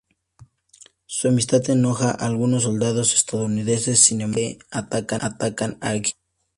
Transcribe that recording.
Su amistad enoja a algunos soldados estadounidenses, sin embargo, que atacan a Gilbert.